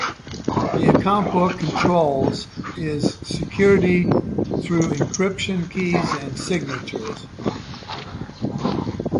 The account book controls its security through encryption keys and signatures.